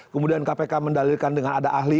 kemudian kpk mendalilkan dengan ada ahli